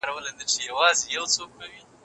زړه یې لکه اوښکه د یعقوب راته زلال کړ